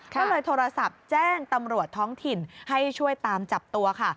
ก็เลยโทรศัพท์แจ้งตำรวจท้องถิ่นให้ช่วยตามจับตัวค่ะ